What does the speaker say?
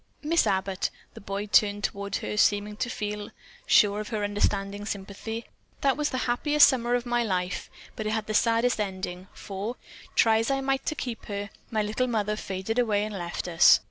Miss Abbott," the boy turned toward her, seeming to feel sure of her understanding sympathy, "that was the happiest summer of my life, but it had the saddest ending, for, try as I might to keep her, my little mother faded away and left us."